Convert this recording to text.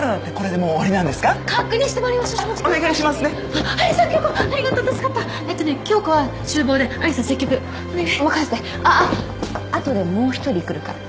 あっあっ後でもう１人来るから。